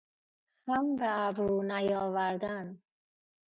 خم به ابرو نیاوردن